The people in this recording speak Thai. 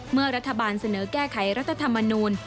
เมื่อรัฐบาลเสนอแก้ไขรัฐธรรมนูล